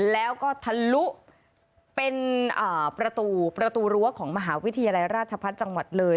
แล้วก็ทะลุเป็นประตูประตูรั้วของมหาวิทยาลัยราชพัฒน์จังหวัดเลย